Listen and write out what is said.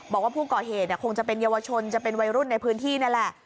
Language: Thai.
บอกว่าผู้ก่อเหตุคงจะเป็นเยาวชนจะเป็นวัยรุ่นในพื้นที่นั่นแหละ